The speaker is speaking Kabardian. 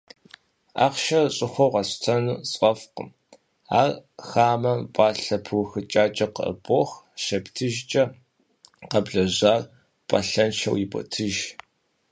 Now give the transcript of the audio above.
Ахъшэ щӏыхуэ къэсщтэну сфӏэфӏкъым: ар хамэм пӏалъэ пыухыкӏакӏэ къыӏыбох, щептыжкӏэ - къэблэжьар пӏалъэншэу иботыж.